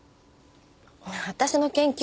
私の研究